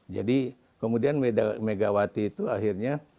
jadi kemudian megawati itu akhirnya